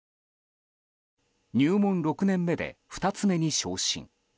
入門６年目で二ツ目に昇進。